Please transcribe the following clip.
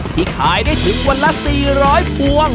ที่ขายได้ถึงวันละ๔๐๐พวง